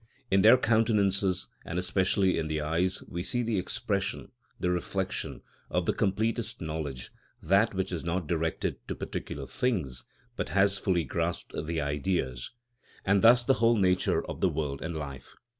In their countenances, and especially in the eyes, we see the expression, the reflection, of the completest knowledge, that which is not directed to particular things, but has fully grasped the Ideas, and thus the whole nature of the world and life.